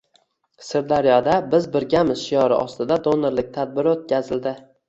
Sirdaryoda “Biz birgamiz” shiori ostida donorlik tadbiri o‘tkazildi